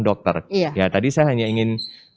dokter ya tadi saya hanya ingin